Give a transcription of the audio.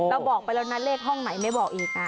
บอกไปแล้วนะเลขห้องไหนไม่บอกอีกนะ